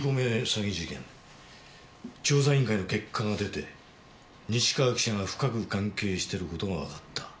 詐欺事件調査委員会の結果が出て西川記者が深く関係してる事がわかった。